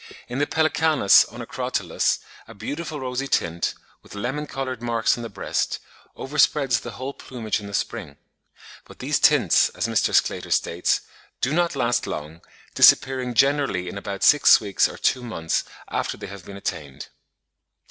In the Pelecanus onocrotalus a beautiful rosy tint, with lemon coloured marks on the breast, overspreads the whole plumage in the spring; but these tints, as Mr. Sclater states, "do not last long, disappearing generally in about six weeks or two months after they have been attained."